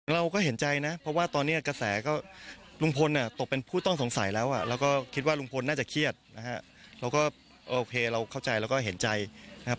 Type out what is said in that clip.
เราก็เห็นใจนะเพราะว่าตอนนี้กระแสก็ลุงพลตกเป็นผู้ต้องสงสัยแล้วแล้วก็คิดว่าลุงพลน่าจะเครียดนะฮะเราก็โอเคเราเข้าใจแล้วก็เห็นใจนะครับ